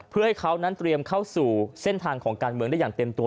เพื่อให้เขานั้นเตรียมเข้าสู่เส้นทางของการเมืองได้อย่างเต็มตัว